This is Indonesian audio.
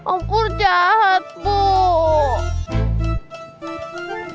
ongkur jahat pur